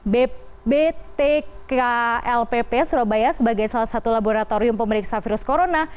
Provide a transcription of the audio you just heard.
bptklpp surabaya sebagai salah satu laboratorium pemeriksa virus corona